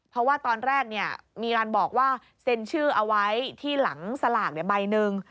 เพราะว่าตอนแรกมีการบอกว่าเซ็นชื่อเอาไว้ที่หลังสลากใบหนึ่ง